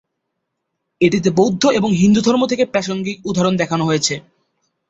এটিতে বৌদ্ধ এবং হিন্দুধর্ম থেকে প্রাসঙ্গিক উদাহরণ দেখানো হয়েছে।